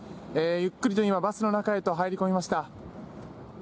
ゆっくりと今、バスの中へと入り込みました。